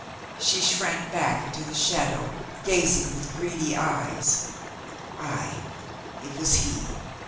She shrank back into the shadow, gaz ing with greedy eyes. Ay, it was he.